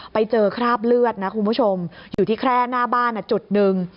ไปเจอคราบเลือดนะคุณผู้ชมอยู่ที่แคร่หน้าบ้านจุดหนึ่ง